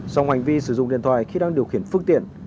song hành vi sử dụng điện thoại khi đang điều khiển phức tiện